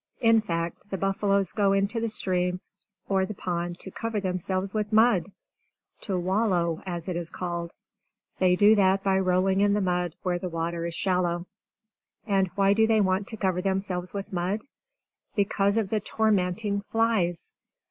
In fact, the buffaloes go into the stream or the pond to cover themselves with mud! To wallow, as it is called. They do that by rolling in the mud where the water is shallow. And why do they want to cover themselves with mud? Because of the tormenting flies!